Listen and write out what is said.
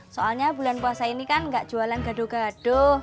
soalnya bulan puasa ini kan gak jualan gado gado